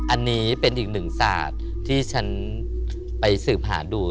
อันนี้เป็นอีกหนึ่งศาสตร์ที่ฉันไปสืบหาดู